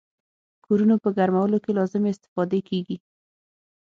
کورونو په ګرمولو کې لازمې استفادې کیږي.